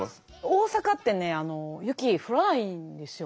大阪ってね雪降らないんですよ。